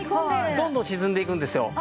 どんどん沈んでいくんですよ。